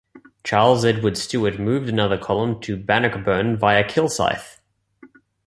Charles Edward Stuart moved another column to Bannockburn via Kilsyth.